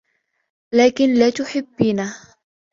لكن لا تحبّينه.